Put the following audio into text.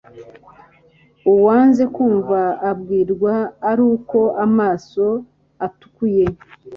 uwanze kwumva abwirwa ari uko amaso atukuye